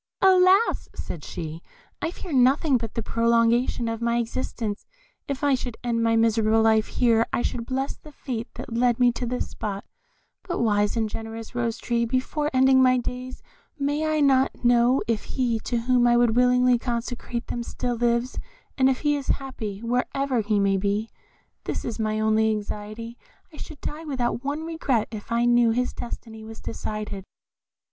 "Alas!" said she, "I fear nothing but the prolongation of my existence; if I should end my miserable life here, I should bless the fate that led me to this spot; but wise and generous Rose tree, before ending my days, may I not know if he to whom I would willingly consecrate them still lives; and if he is happy, wherever he may be? This is my only anxiety. I should die without one regret if I knew that his destiny was decided."